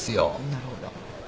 なるほど。